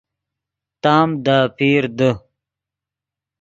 تام دے اپیر دے